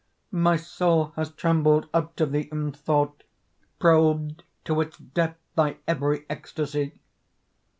My soul has trembled up to thee in thought, Probed to its depth thy every ecstasy.